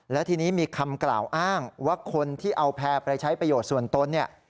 และทีนี้มีคำกล่าวอ้างว่าคนที่เอาแพร่ไปใช้ประโยชน์ส่วนตนเนี่ย